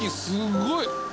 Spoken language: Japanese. すごい。